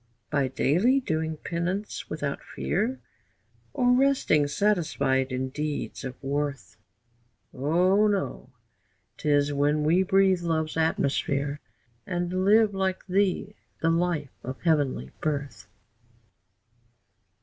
By daily doing penance without fear, Or resting satisfied in deeds of worth? O no! 'Tis when we breathe love's atmosphere, And live like thee the life of heavenly birth.